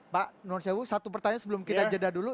pak nur sewu satu pertanyaan sebelum kita jeda dulu